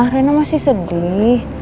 rena masih sedih